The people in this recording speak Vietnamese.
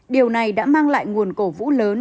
điều này đã mang lại nguồn cổ vũ lớn